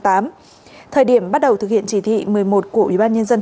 thời điểm bắt đầu thực hiện chỉ thị một mươi một của ubnd tp